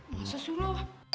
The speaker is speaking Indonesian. masa sih lu